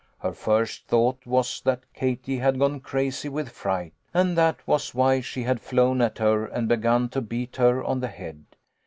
Her first thought was that Katie had gone crazy with fright, and that was why she had flown at her and begun to beat her on the head.